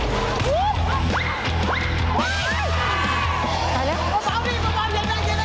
เร็วแอบบุรันมาแล้วบริษัทพยาบาล